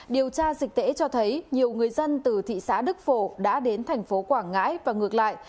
điều tra dịch tễ cho thấy nhiều người dân từ thị xã đức phổ đã đến thành phố quảng ngãi và ngược lại